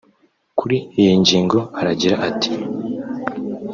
Kuri iyi ngingo aragira ati